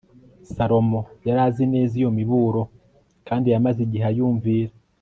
salomo yari azi neza iyo miburo kandi yamaze igihe ayumvira